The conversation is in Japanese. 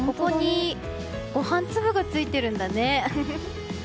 ご飯粒がついてるんだね。